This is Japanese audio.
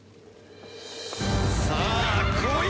さあ来い！